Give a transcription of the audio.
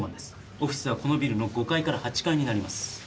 オフィスはこのビルの５階から８階になります。